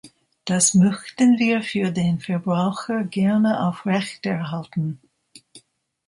Das möchten wir für den Verbraucher gerne aufrechterhalten.